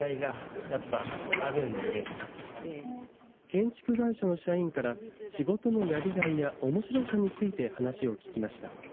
建築会社の社員から仕事のやりがいやおもしろさについて話を聞きました。